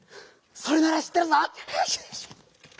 それならしってるぞ！